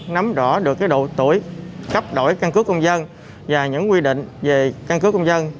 nắm rõ được cái độ tuổi cấp đổi căn cước công dân và những quy định về căn cước công dân